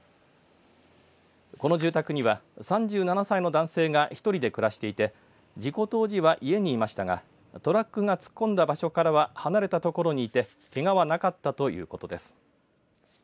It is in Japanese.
この住宅には３７歳の男性が１人で暮らしていて事故当時は家にいましたがトラックが突っ込んだ場所から離れた所にいてけがはなかったということです。